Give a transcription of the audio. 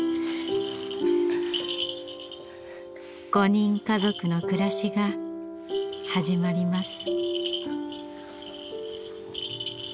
５人家族の暮らしが始まります。